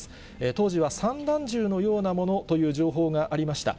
当時は散弾銃のようなものという情報がありました。